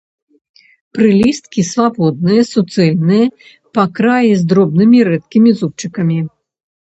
Прылісткі свабодныя, суцэльныя, па краі з дробнымі рэдкімі зубчыкамі.